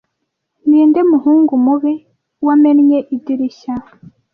Ninde muhungu mubi wamennye idirishya?